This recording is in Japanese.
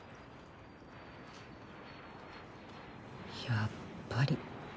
やっぱり。